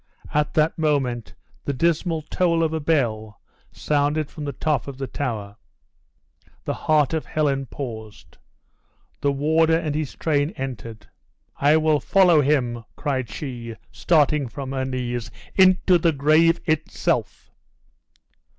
At that moment the dismal toll of a bell sounded from the top of the Tower. The heart of Helen paused. The warden and his train entered. "I will follow him," cried she, starting from her knees, "into the grave itself!"